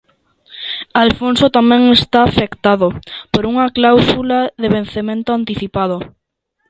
Alfonso tamén está afectado por unha cláusula de vencemento anticipado.